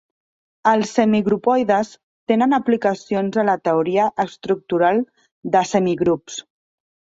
Els semigrupoides tenen aplicacions a la teoria estructural de semigrups.